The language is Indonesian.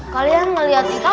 kalian ngeliat kita udah